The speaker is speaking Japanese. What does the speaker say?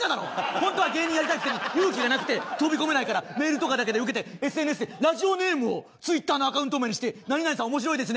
本当は芸人やりたいくせに勇気がなくて飛び込めないからメールとかだけでウケてＳＮＳでラジオネームをＴｗｉｔｔｅｒのアカウント名にして「何々さん面白いですね」。